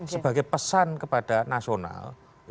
sebagai pesan kepada nasional